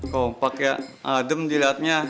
kompak ya adem diliatnya